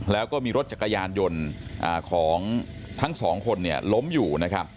แล้วก็มีรถจักรยานยนต์ของทั้ง๒คนล้มอยู่